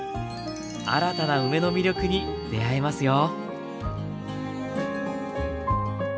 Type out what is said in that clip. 新たな梅の魅力に出会えますよ。